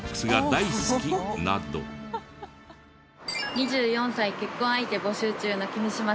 ２４歳結婚相手募集中の君島さんです。